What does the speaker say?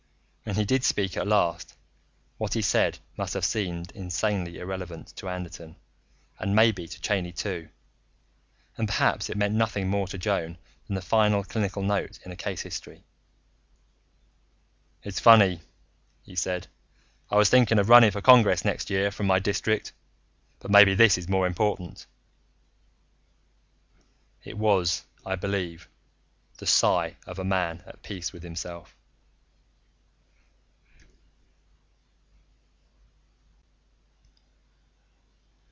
When he did speak at last, what he said must have seemed insanely irrelevant to Anderton, and maybe to Cheyney too. And perhaps it meant nothing more to Joan than the final clinical note in a case history. "It's funny," he said, "I was thinking of running for Congress next year from my district. But maybe this is more important." It was, I believe, the sigh of a man at peace with himself.